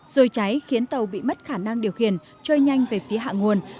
rồi cháy khiến tàu bị mất khả năng điều khiển trôi nhanh về phía hạ nguồn